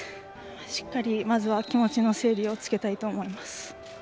しっかり、まずは気持ちの整理をつけたいと思います。